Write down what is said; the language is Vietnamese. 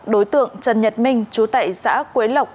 đối tượng trần nhật minh chú tại xã quế lộc